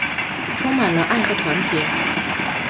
充满了爱和团结